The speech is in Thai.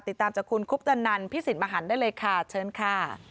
ติดตามจากคุณคุพตะนันพี่ศิลปะหันด้วยเลยค่ะเชิญค่ะ